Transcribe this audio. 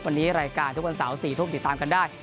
วันนี้รายการทุกวันเสาร์๔ทุ่มติดตามกันได้